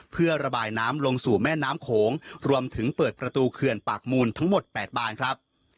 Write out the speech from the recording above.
เพื่อระบายน้ำลงสู่แม่น้ำโขงรวมถึงเปิดประตูเขื่อนปากมูลทั้งหมด๘บานครับ